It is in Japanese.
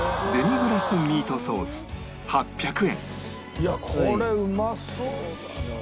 いやこれうまそうだな！